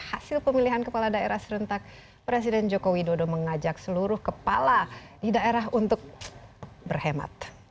hasil pemilihan kepala daerah serentak presiden joko widodo mengajak seluruh kepala di daerah untuk berhemat